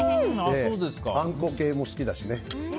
あんこ系も好きだしね。